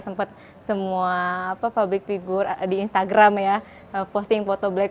sempat semua public figure di instagram ya posting foto black